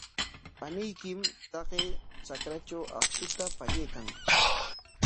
Paniykim taqay trakratraw akshuta pallaykan.